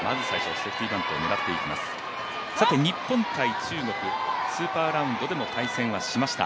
日本×中国、スーパーラウンドでも対戦はしました。